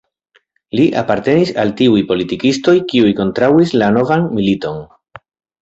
Li apartenis al tiuj politikistoj, kiuj kontraŭis la novan militon.